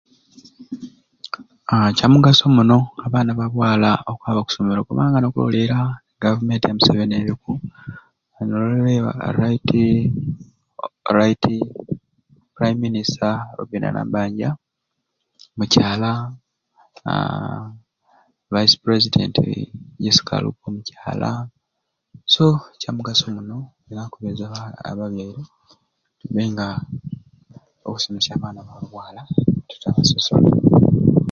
Ha kyamugaso muno abaana ba bwala okwaba okusomero kubanga nokuloleera e government ya museveni eriku nololeera right right prime minister Robinah Nabbanja mukyala haa vice president Jesca Alupo mukyala so kyamugaso muno era nkukubiriza abaala ababeire babe nga okusomesya abaana ba bwala tetubasosola